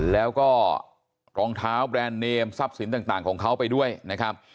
แล้วก็รองเท้าแบรนด์เนมทรัพย์สินต่างของเขาไปด้วยนะครับ